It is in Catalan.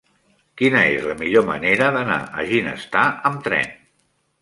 Quina és la millor manera d'anar a Ginestar amb tren?